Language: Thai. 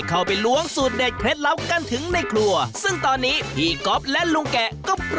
งานนี้เนี่ยคงต้องถึงมือเฮียป้องอีกแล้วล่ะครับ